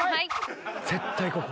絶対ここ。